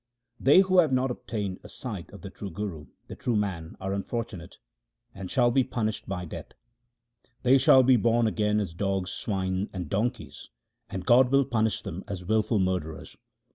They who have not obtained a sight of the true Guru, the true man, are unfortunate, and shall be punished by Death. They shall be born again as dogs, swine, and donkeys, and God will punish them as wilful murderers.